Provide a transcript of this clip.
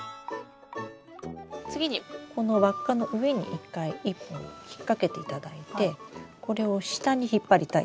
次にこの輪っかの上に１回１本引っ掛けていただいてこれを下に引っ張りたい。